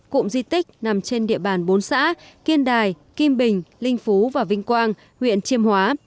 cụm di tích nằm trên địa bàn bốn xã kiên đài kim bình linh phú và vinh quang huyện chiêm hóa